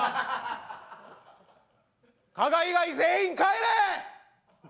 加賀以外全員帰れ！